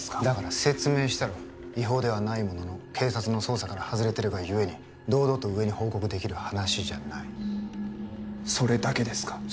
だから説明したろ違法ではないものの警察の捜査から外れてるがゆえに堂々と上に報告できる話じゃないそれだけですか？